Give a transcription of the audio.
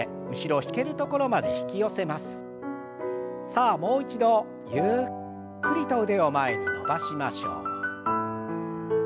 さあもう一度ゆっくりと腕を前に伸ばしましょう。